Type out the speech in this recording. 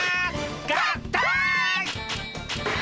合体！